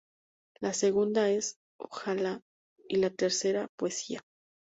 La segunda es "ojalá" y, la tercera, "poesía".